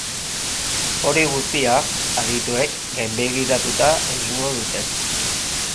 Hori guztia, adituek gainbegiratuta egingo dute.